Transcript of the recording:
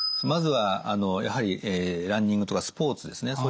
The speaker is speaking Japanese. まずはやはりランニングとかスポーツですね